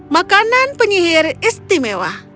makanan penyihir istimewa